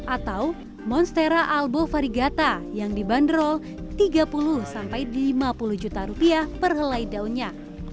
atau monstera albo farigata yang dibanderol tiga puluh sampai lima puluh juta rupiah per helai daunnya